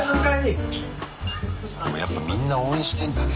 やっぱみんな応援してんだね。